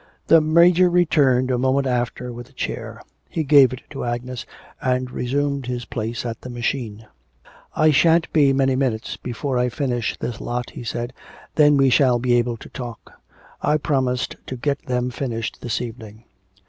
The Major returned a moment after with a chair. He gave it to Agnes and resumed his place at the machine. 'I shan't be many minutes before I finish this lot,' he said; 'then we shall be able to talk. I promised to get them finished this evening.'